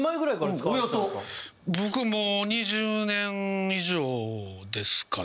僕もう２０年以上ですかね。